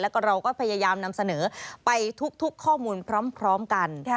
แล้วก็เราก็พยายามนำเสนอไปทุกข้อมูลพร้อมกัน